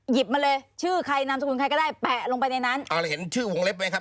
มาเลยชื่อใครนามสกุลใครก็ได้แปะลงไปในนั้นอ่าแล้วเห็นชื่อวงเล็บไหมครับ